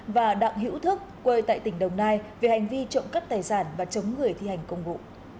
và đặng hiễu thức quê tại tỉnh đồng nai về hành vi trộm cắt tài giản và chống người thi hành công vụ